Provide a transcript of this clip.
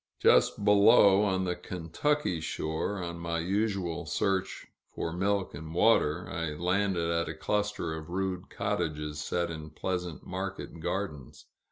Just below, on the Kentucky shore, on my usual search for milk and water, I landed at a cluster of rude cottages set in pleasant market gardens.